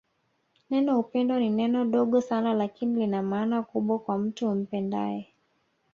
Neno upendo ni neno dogo Sana lakini Lina maana kubwa kwa mtu umpendae